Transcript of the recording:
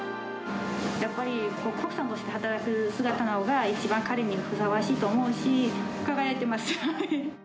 やっぱりコックさんとして働く姿が一番彼にふさわしいと思うし、輝いてます。